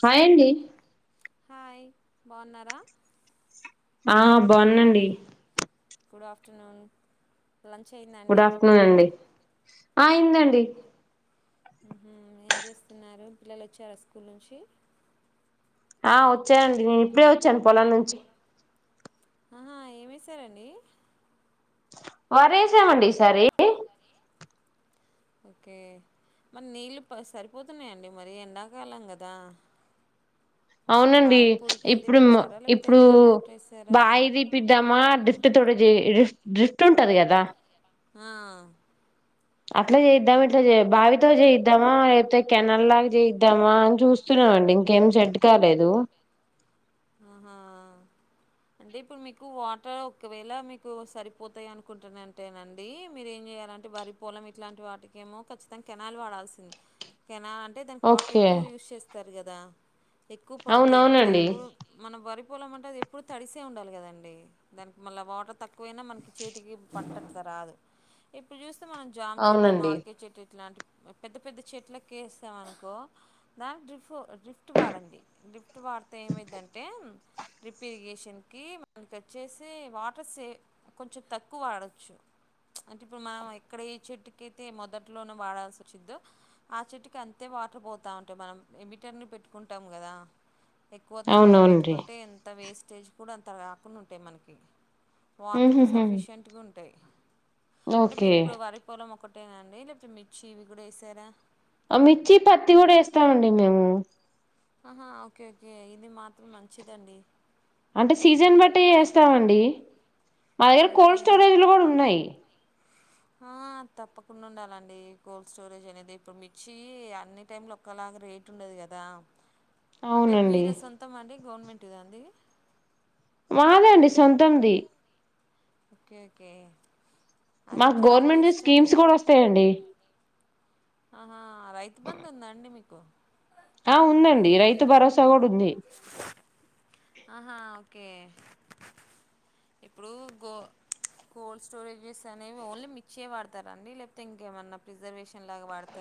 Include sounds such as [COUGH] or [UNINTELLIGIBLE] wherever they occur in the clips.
Hi అండి hi బావున్నారా ఆ బాగున్నాఅండి గుడ్ ఆఫ్టర్నూన్ లంచ్ అయ్యిందా అండి ఆయ్యిందండి ఏం చేస్తున్నారు పిల్లలు వచ్చారా స్కూల్ నుంచి ఆ వచ్చారండి నేను ఇప్పుడే వచ్చాను పొలం నుంచి ఆహా ఏమిసారండి వరేసామండి ఈసారి ఓకే మరి నీళ్ళు సరిపోతున్నాయండి మరి ఎండాకాలం కదా అవునండి బాయిల్ పొడికలు ఇప్పుడు తెప్పించారా లేకపోతే ఇప్పుడు ఎట్లా మోటర్ వేసారా బాయి తీపిద్దామా డ్రిఫ్ట్ తోటి డ్రిఫ్ట్ ఉంటది కదా ఆ అట్లా చేయిద్దాం ఇట్లా బావితో చేయిద్దామా లేపోతే కెనాల్ లాగా చేయిద్దామా అని చూస్తు అండి ఇంకేం సెట్టు కాలేదు ఆహా అంటే ఇప్పుడు మీకు వాటర్ ఒకవేళ మీకు సరిపోతాయి అనుకుంటునంటేనండి మీరు ఏం చెయ్యాల వరి పొలం ఇట్లాంటి వాటికి ఏమో ఖచ్చితంగా కెనాల్ వాడాల్సింది కెనా అంటే దానికి వాటర్ ఓకే ఎక్కువ యూస్ చేస్తారు కదా ఎక్కువ పడతాయి ఇప్పుడు అవునవునండి ఎప్పుడు మన వరి పొలం అంటే అది ఎప్పుడు తడిసే ఉండాలి కదండి దానికి మళ్ళ వాటర్ తక్కువైనా మనకి చేతికి పంట అట్లా రాదు ఇప్పుడు చూస్తే మనం జామ చెట్టు, అవునండి మామిడికాయ చెట్టు ఇట్లాంటి పెద్ద పెద్ద చెట్లకి వేస్తాం అనుకో దానికి డ్రిప్ డ్రిఫ్ట్ వాడండి డ్రిఫ్ట్ వాడితే ఏమైద్దిఅన్ అే డ్రిప్ ఇరిగేషన్ కి మన వచ్చేసి వాటర్ సే కొంచెం తక్కువ పడచ్చు అంటే ఇప్పుడు మనం ఎక్కడ ఏ చెట్టుకి అయితే మొదట్లోన వాడాల్సి వచ్చిద్దో ఆ చెట్టుకి అంతే వాటర్ పోతా ఉంటే మనం ఎ మీటర్ ని పెట్టుకుంటాం కదా ఎక్కువ తక్కువ అవునవునండి పెట్టుకుంటే ఎంత వేస్టేజ్ కూడా అంత కాకుండా ఉంటాయి మనకి వాటర్ కూడా ఊహుహు సఫిషియెంట్గా ఉంటాయి అంటే మీరు ఓకే ఇప్పుడు వరి పొలం ఒక్క ఒకటేనా అండి లేకపోతే మిర్చి ఇవి కూడా వేసారా. మిర్చి పత్తి కూడా వేస్తామండి మేము. ఆహా ఓకే ఓకే ఇది మాత్రం మంచిదండి. అంటే సీజన్ బట్టి వేస్తామండి. మా దగ్గర ఓకే కోల్డ్ స్టోరేజ్ లో కూడా ఉన్నాయి. ఆ తప్పకుండా ఉండాలండి కోల్డ్ స్టోరేజ్ అనేది ఇప్పుడు మిర్ి అన్ని టైంలు ఒక్కలాగా రే. ట్ండదు కదా అంటే అవునండి మీర సొంతం అండి గవర్నమెంట్ద అండి. మాదేండి సొంతంది. Okay okay. అది మాకు చాలా గవర్నమెంట్ బెస్ట్ అండి స్కీమ్స్ కూడా వస్తాయండి. ఆహా రైతు బధ్ ఉందా అండి మీకు. ఆ ఉందండి రైతు భరోసా కూడా ఉంది. ఆహా ఓకే ఇప్పుడు గో. కోల్డ్ స్టోరేజెస్ అనేవి ఓన్లీ మిచ్చే వాడతారంండి లేకపోతే ఇంకేమన్నా ప్రిజర్వేషన్ లాగా వాడతా.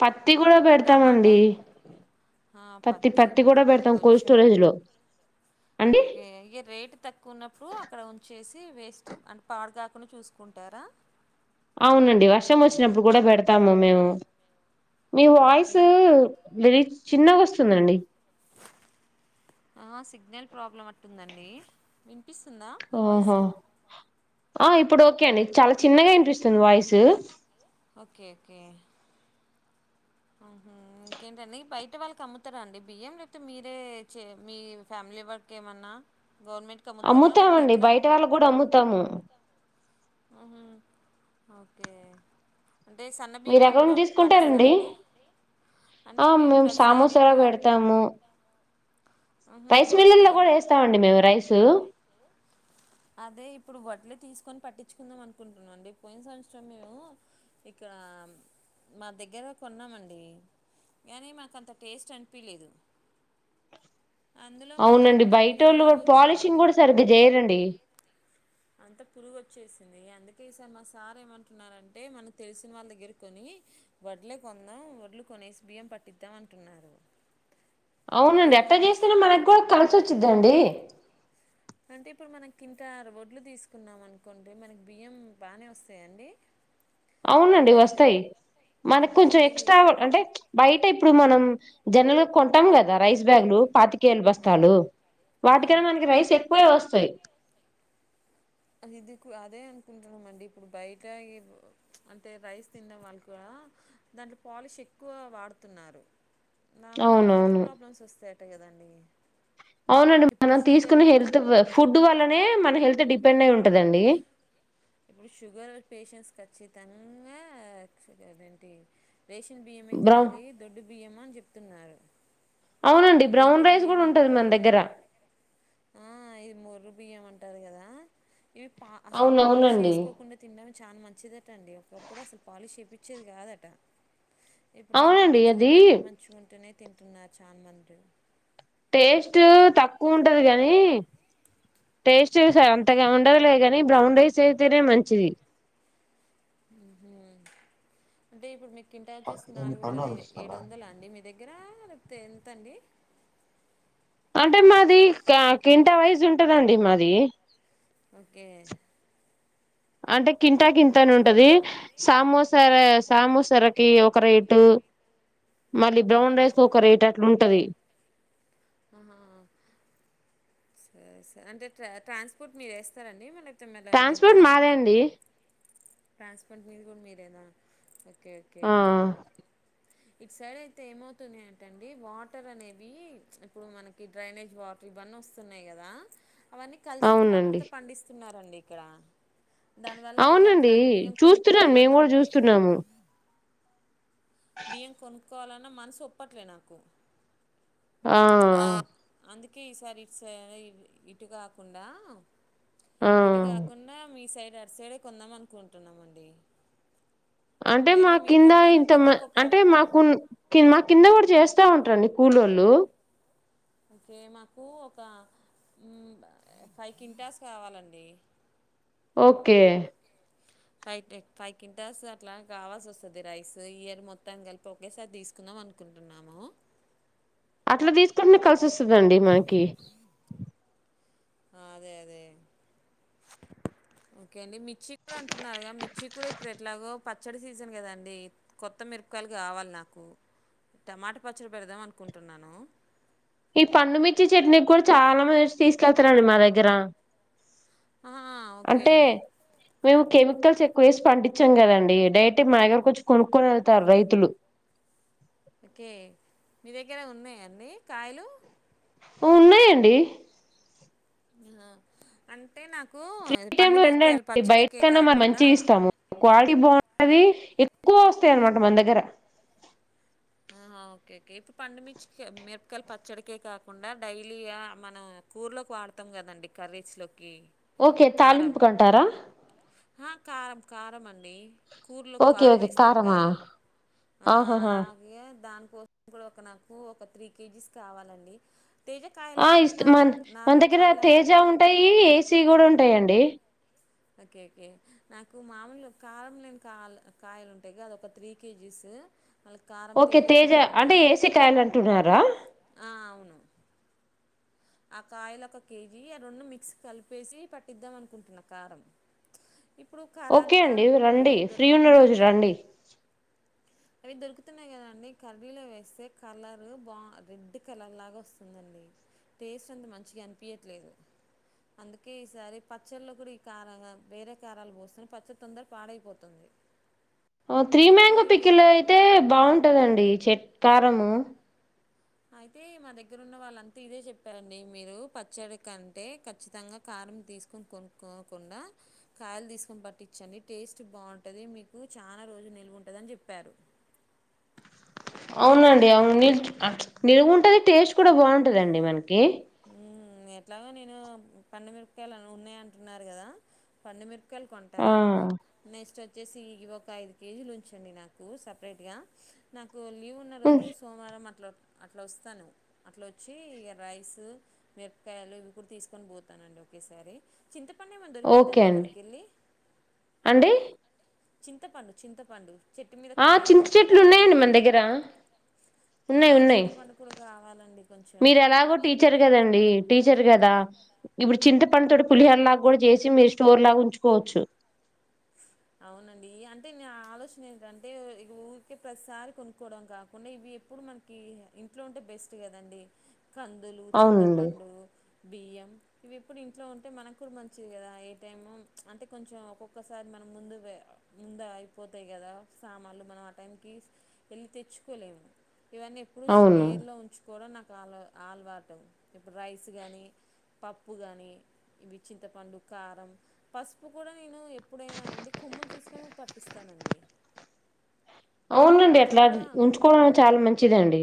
పత్తి కూడా పెడతామండి. ఆ పత్తి పత్తి ఇవి కూడా పెడతాం కోల్డ్ పెట్టుకోవచ్చా స్టోరేజ్ లో. అండి ఓకే ఏ. రేటు తక్కువ ఉన్నప్పుడు అక్కడ ఉంచేసి వేస్ట్ అంటే పాడు కాకుడా చూసుకుంటారా. అవునండి వర్షం వచ్చినప్పుడు కూడా పెడతాము మేము. మీ ఓకే వాయిస్ రర చిన్నగా వస్తుందండి. సిగ్నల్ ప్రాబ్లమ్ అట్టుందండి వినిపిస్తుందా వాయిస్. ఓహో ఆ ఇప్పుడు ఓకే అండి చాలా చిన్నగా ఇనిపిస్తుంది వాయిస్. Okay okay. ఆహ ఇంకేంటండి బయట వాళ్ళకి అమ్ముతారా అండి బియ్యం లేపోతే మీరే మీ ఫ్యామిలీ. లివర్కి ఏమన్నా. గవర్నమెంట్‌కి అమ్ముతారా? లేకపోతే అమ్ముతామండి ఎట్లా? బయట వాళ్ళకు కూడా అమ్ముతాము. ఓకే. అంటే సన్న మీరు బియ్యంే ఎక్కడ నుంచి తీసుకుంటారండి పండిస్తారంండి. ఆ మేము సామోసలా పెడతాము. హుహు. Rice miller okay. లో కూడా వేస్తామండి మేము రైసు. అదే ఇప్పుడు వడ్లు తీసుకొని పట్టించుకుందాం అనుకుంటున్నా అండి పోయిన సంవత్సరం మేము ఇక్క మా దగ్గర కొన్నామండి. కానీ మాకు అంత టేస్ట్ అనిపిలేదు అవునండి బయటోళ్లు పాలిషింగ్ వచ్చిందండి. కూడా సరిగ్గా చేయరండి. అంత పురుగు వచ్చేసింది అందుకే ఈసారి మా సార్ ఏమంటున్నారంటే మనం తెలిసిన వాళ్ళ దగ్గరకొని వడ్లే కొందాం వడ్లు కొనేసి బియ్యం పట్టిద్దాం అంటున్నారు. అదే అవునండి ఈ ఎట్లా సంవత్స చేస్తేనే మనకు కూడా కలిసి వచ్చిందండి. అంటే ఇప్పుడు మన క ఇంత రొడ్లు తీసుకున్నాం అనుకుంటే మనకి బియ్యం బానె వస్తాయంండి అవునండి వస్తాయి మనకు డెబ్బై ఐదు కొంచెం కేజీ ఎక్స్ట్రా అంటే బయట ఇప్పుడు మనం. జనరల్ గా కొంటాం కదా రైస్ బ్యాగు్లు పాతి. కేల బస్తాలు వాటికన్నా అవును మనకి రైస్ ఎక్కువే వస్తాయి. ఇది అదే అనుకుంటున్నాం అండి ఇప్పుడు బయట అంటే రైస్ తిిన వాళ్ళు కూడా. దాంట్లో పాలిష్ ఎక్కువ వాడుతున్నారు. నా వల్ల కూడా హెల్త్ అవునవును ప్రాబ్లమ్స్ వస్తాయట కదండి. అవునండి ఇప్పుడు మనం షుగర్ తీసుకునే హెల్త్ ఫుడ్ వల్నే మన హెల్త్. అయితే డిపెండ్ అయి ఉంటదండి. ఇప్పుడు షుగర్ పేషెంట్స్ కచ్చి తనంగాదేంటి రేష. బియ్యమే బ్రౌన్ తినాలి దొడ్డు బియ్యమా అని చెప్తున్నారు. అవునండి బ్రౌన్ దొడ్డు రైస్ కూడా బియ్యం ఉంటది మన దగ్గర. ఆ అయి మోర్రు బియ్యమంటారు కదా ఇవి పా అసలు పాలిష్ అవునవునండి ఏసుకోకుండా తినడం చాలా మంచిదట అండి ఒకప్పుడు అసలు పాలిష్ చెపి వచ్చేది కాదట ఇప్పుడు ఏంటంటే అవునండి అది చూడ్డానికి మంచిగగుంటేనే తింట న్నారు చామంది ఏ టేస్ట్ చేసా అంతగా ఉండదులేగాని బ్రౌన్ రైస్ అయితేనే మంచిది అంటే ఇప్పుడు మీ కింటా వచ్చేసి నాలుగు వేల ఏడు వందల అండి మీ దగ్గర దగ్గర [UNINTELLIGIBLE] అతే ఎంతండి అంటే మాది క్వింటా వైజ్ ఉంటదండి మాది ఓకే అంటే కింటా కింతని ఉంటది సామోసర సామోసరకి ఒక రేటు అ మళ్ళీ బ్రౌన్ రైస్ ఒక రేట్ అట్ల ఉంటది ఆహా సరే సరే అంటే ట్రాన్స్పోర్ట్ మీరు ఏస్తారండి మన కి ట్రాన్స్ పోర్ట్ మాదే అండి ట్రాన్స్ పోర్ట్ మీది కూడ మీదేనా ఓకే ఓకే ఆ ఇట్ సైడ్ అయితే ఏమవుతుంనాయంటే అండి వాటర్ అనేవి ఇప్పుడు మనకి డ్రైనేజ్ వాటర్ ఇవన్నీ వస్తున్నాయి కదా అవన్నీ కలిసిన వాటర్ అవునండి తో పండిస్తున్నారండి ఇక్కడ దానివల్ల ఇక అవునండీ అట్లాంటి బియ్యం చూస్తున్నామ్ మేము కొనుక్కోవాలన్నా కూడా చూస్తున్నాము బియ్యం కొనుక్కోవాలన్న మనసు ఒప్పట్లే నాకు, ఆ అందుకే ఈసారి ఇట్ స ఇటుగాకుండా ఆ! ఇటు కాకుండా మీ సైడ్ అటు సైడే కొందాం అనుకుంటున్నామండి అంటే మా ఒకవేళ మీరు కింద ఇంత కొంటానంటే మ మాకు ఒక అంటే మాకు కి మా కింద పడు చేస్తా ఉంటరండి కూలోళ్ళు ఓకే మాకు ఒక ఫైవ్ కింటాస్ కావాలండి ఓకే, ఫైవ్ ఫైవ్ కింటాస్ అట్లా కావాల్సి వస్తది రైస్ ఇయర్ మొత్తాన్ని కలిపి ఒకేసారి తీసుకుందాం అనుకో కుంటున్నాము, అట్లా తీసుకుంటెనే కలిసి వస్తదండి మనకి ఆ... అదే అదే ఓకే అండి మిర్చి కూడ అంటున్నారు గ మిర్చి కూడ ఇప్పుడు ఎట్లాగో పచ్చడి సీజన్ కదండి కొత్త మిరపకాయలు కావాలి నాకు టమాట పచ్చడి పెడదాం అనుకుంటున్నాను ఈ పండుమిర్చి చట్నీ కూడా చాలా మందివచ్చి తీసుకెళ్తారండి మా దగ్గర ఆహా, ఓకే అంటే మేము కెమికల్స్ ఎక్కు వేసి పండిచ్చం కదండి డైరెట్ మా దగరకి వచ్చి కొనుక్కోని వెళ్తారు రైతులు ఓకే మీ దగ్గరే ఉన్నాయనీ కాయలు ఉన్నయండి మ్.. అం టే నాకు ఫ్రీ టైమ్ లో పండుమిరకాయలు రండండి బయట పచ్చడికే కన్నా మనం కాకుండా మంచిగా ఇస్తాము క్వాలిటీ బావుంటదీ ఎక్కువస్తాయి అన్నమాట మన దగ్గర ఆ ఓకే ఇప్పు పండు మిర్చి మిరపకాయలు పచ్చడికే కాకుండా డైలీగా మనం కూర్లోకి వాడతా కదండి కరీస్ లోక్ ఓకే తాలింపుకంటారా అహ కారం, కారం అండి కూర్లో ఓకే కారం ఓకే ఏస్తాం కారమా కదా ఆ ఆహాహా అలా ఏ దాని కో ఇపుడు ఒక నాకు ఒక త్రీ కేజీస్ కావాలండి తేజ కాయలా ఆ లేకపోతే ఇస్త నారం మన్ మన నార్మల్ దగ్గర కాయలా తేజా ఉంటాయి ఏసీ కూడా ఉంటాయండి ఓకే ఓకే నాకు మామూలు కారం లేని కా కాయలు ఉంటాయి కద ఒక త్రీ కేజీసు ఓకే తేజ అంటే ఏసి కాయలంటున్నారా ఆ అవును ఆ కాయలు ఒక కేజీ ఆ రెండు మిక్సీ కలిపేసి పట్టిద్దాం అనుకుంటున్న కారం ఇప్పుడు ఓకే ఖరాని అండి కారం ఇవి రండి ఫ్రీ ఉన్న దొరుకుతున్నాయి రోజు కదా రండి అవి దొరుకుతున్నాయి కదాండి కర్రీలో వేస్తే కలర్ బా రెడ్ కలర్ లాగ వస్తుందండి టేస్ట్ అంత మంచిగనిపియట్లేదు అందుకే ఈసారి పచ్చళ్లో కూడా ఈ కార వేరే కారాలు పోస్తునే పచ్చడి తొందర పాడైపోతుంది ఒ త్రీ అందుకని మాంగో పికిలు అయితే బాగుంటదండి చెట్ కారము అయితే మా దగ్గర ఉన్న వాళ్ళంతా ఇదే చెప్పారండి మీరు పచ్చడి కంటే ఖచ్చితంగా కా రం తీసుకొని కొనుకోకుండా కాయలు తీసుకొని పాటించండి టేస్ట్ బావుంటది మీకు చానా రోజు నిల్వుంటుందని చెప్పారు అవునండి అవును నిల్ ఆ ప్చ్ నిలు ఉంటది టేస్ట్ కూడా బావుటదండి మనకి మ్మ్ ఎట్లాగో నేను పండుమిరపకాయలు ఉన్నాయి అంటున్నారు కదా పండుమిరప కల్ కొంటా ఆ నెక్స్ట్ వో వచ్చేసి ఇవి ఒక ఐదు కేజీలు ఉంచండి నాకు సపరేట్గా నాకు నాకు లీవ్ ఉన్న రోజు సోమవారం అట్లా అట్లా వస్తాను అట్లా వచ్చి ఇక రైస్ సు మిరపకాయలు ఇవి కూడ తీస్కొని పోతనండి ఒకేసారి చింత ఓకే అండి అండి చింతపండు చింతపండు చెట్టు మీద ఆ కాయలు చింత చెట్లు దులుపుతరుగా ఉన్నాయండి మన మీకెళ్ళి దగ్గర ఆ, ఉన్నాయి ఉన్నాయి చింతపండు కూడా కావాలండి మీరు కొంచెం ఎలాగో టీచర్ కదండి టీచర్ కదా ఇప్పుడు చింత పంతోటీ పులిహ లాగా కూడా చేసి మీరు స్టోర్ లాగా ఉంచుకోవచ్చు అవునండి అంటే న ఆలోచన ఏటిదంటే ఇగ ఊకే ప్రతిసారి కొనుక్కవడం కాకుండా ఇవి ఎప్పుడు మనకి ఇంట్లో ఉంటే బెస్ట్ కదండి కందులు అవునండి చింతపండు బియ్యం ఇవి ఇప్పుడు ఇంట్లో ఉంటే మనకు కూడా మంచిది కదా ఏ టైము ప్చ్ అంటే కొంచెం ఒక్కొక్కసారి మనం ముందు వే ముందా అయిపోతాయి కదా సామాన్లు మనం ఆ టైంకి వెళ్ళి తెచ్చుకోలేము ఇవన్నీ ఎప్పుడు అవును స్కేర్ లో ఉంచుకోవడం నాకు కాలు ఆలువాట ఇప్పుడు రైస్ కానీ పప్పు కానీ ఇవి చింతపండు కారం పసుపు కూడా నేను ఎప్పుడైనా అంటే కొమ్ములు తీసుకొని పట్టిస్తానండి అవునండి అట్లా ఉంచుకోవడం చాలా మంచిదండి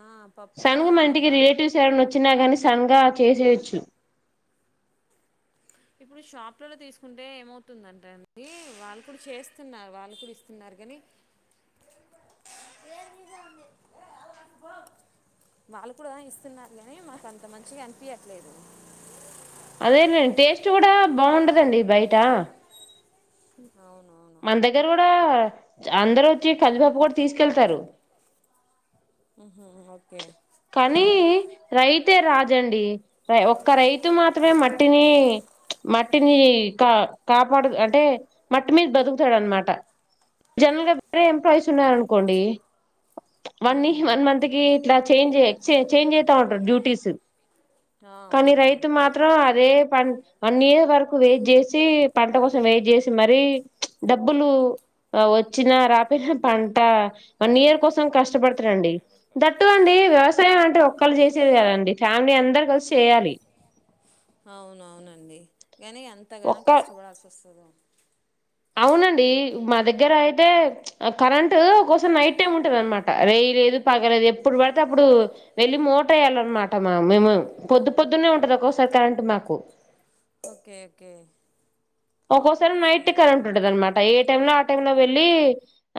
ఆ పప్పు కూడా సన్గా మన ఇంటికి కా రిలేటివ్స్ ఎవరైన్నా వచ్చినా గానీ సంగా చేసేయోచ్చు ఇప్పుడు షాప్లలో తీసుకుంటే ఏమవుతుందంటే అండి వాళ్ళు కూడా చేస్తున్నారు వాళ్ళు కూడా ఇస్తున్నారు గనీ వాళ్ళు కూడా ఇస్తున్నారు కానీ మాకు అంత మంచిగా అనిపియట్లేదు అదేనండి టేస్ట్ కూడా బాగుంటదండి బయట అవును మన దగ్గర కూడా అందరు వచ్చి కందిపపు కూడా తీసుకెళ్తారు ఊహు అగ్ కానీ రైతే రాజండి సరే ఒక్క రైతు మాత్రమే మట్టిని మట్టిని కా కాపాడు అంటే మట్టి మీద బతుకుతాడు అనమాట జనరల్ గా వేరే ఎంప్లాయీస్ ఉన్నారనుకోండి వాని ఉమ్, వన్ మంత్ కి ఇట్లా చేంజె చేంజ్ జేతా ఉంటరు డ్యూటీస్ ఆ, కానీ అవునండి రైతు మాత్రం అదే వన్ ఇయర్ వరకు వెయిట్ జేసి, పంట కోసం వెయిట్ చేసి మరి. డబ్బులు వచ్చినా రాపోయినా, పంట వన్ ఇయర్ కోసం కష్టపడతాడండి. దట్టు అండి. వ్యవసాయం అంటే ఒక్కళ్ళు చేసేది కాదు కదండి, ఫ్యామిలీ అందరూ కలిసి చేయాలి. అవునవునండి, గానీ అంతగనం ఒక్క కష్టపడాల్సి వస్తుంది. అవునండి, మా దగ్గర అయితే కరెంట్ కోసం నైట్ టైమ్ ఉంటంది అనమాట రె. లేదు, పగలు లేదు. ఎప్పుడు పడితే అప్పుడు వెళ్లి మోటర్ ఏయాలన్నమాట. మా మేము పొద్దు పొద్దునే ఉంటది. ఒసారి, కరెంట్ మాకు.. ఓకే, ఓకే. ఒక్కోసారి నైట్ సరే కరెంట్ ఉంటదనమాట, ఏ టైం లో ఆ టైం లో వెళ్లి..